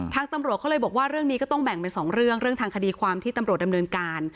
ตำรวจเขาเลยบอกว่าเรื่องนี้ก็ต้องแบ่งเป็นสองเรื่องเรื่องทางคดีความที่ตำรวจดำเนินการ